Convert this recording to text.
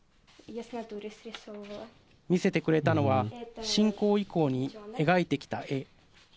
見せてくれたのは侵攻以降に描いてきた絵。